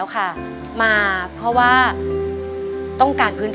ขอบคุณครับ